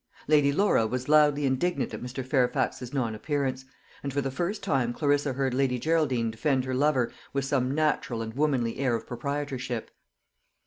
Lady Laura was loudly indignant at Mr. Fairfax's non appearance; and for the first time Clarissa heard Lady Geraldine defend her lover with some natural and womanly air of proprietorship.